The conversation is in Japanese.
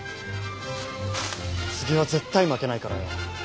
次は絶対負けないからよ。